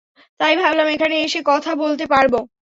তাই ভাবলাম এখানে এসে কথা বলতে পারবো।